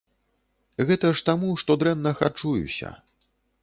Гэта ж таму, што дрэнна харчуюся.